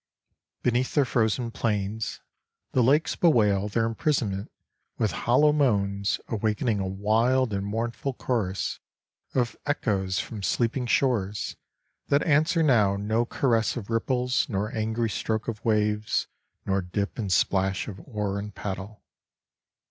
Beneath their frozen plains, the lakes bewail their imprisonment with hollow moans awakening a wild and mournful chorus of echoes from sleeping shores that answer now no caress of ripples nor angry stroke of waves nor dip and splash of oar and paddle.